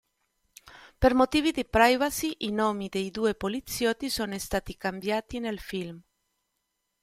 Per motivi di privacy, i nomi dei due poliziotti sono stati cambiati nel film.